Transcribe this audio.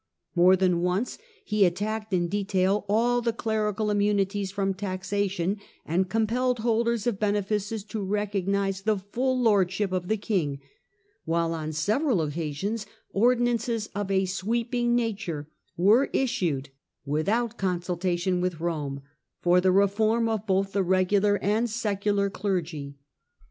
More than once he attacked in detail all the clerical immunities from taxation, and compelled holders of benefices to recognise the full lord ship of the King, while on several occasions ordinances of a sweeping nature were issued, without consultation with Rome, for the reform of both the regular and secular clergy.